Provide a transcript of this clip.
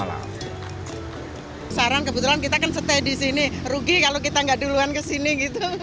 sekarang kebetulan kita kan stay di sini rugi kalau kita nggak duluan kesini gitu